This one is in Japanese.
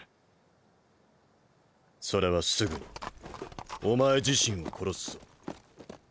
それはすぐにお前自身を殺すぞ。